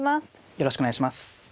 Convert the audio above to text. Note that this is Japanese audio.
よろしくお願いします。